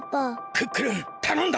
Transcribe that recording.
クックルンたのんだ！